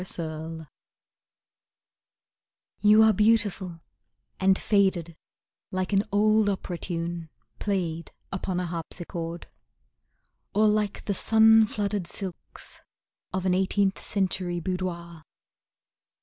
A Lady You are beautiful and faded Like an old opera tune Played upon a harpsichord; Or like the sun flooded silks Of an eighteenth century boudoir.